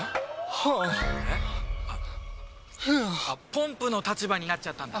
ポンプの立場になっちゃったんだ。